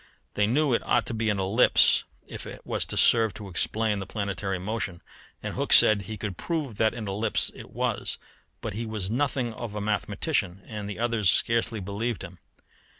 They knew it ought to be an ellipse if it was to serve to explain the planetary motion, and Hooke said he could prove that an ellipse it was; but he was nothing of a mathematician, and the others scarcely believed him.